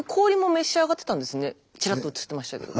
ちらっと映ってましたけど。